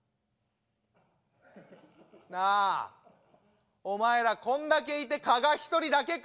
なあお前らこんだけいて加賀一人だけか？